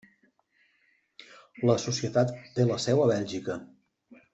La societat té la seu a Bèlgica.